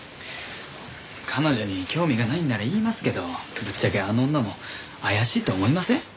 彼女に興味がないんなら言いますけどぶっちゃけあの女も怪しいと思いません？